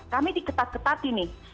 kami diketat ketati nih